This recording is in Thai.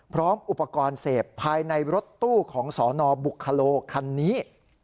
พร้อมอุปกรณ์เสพภายในรถตู้ของสนบุคโลคันนี้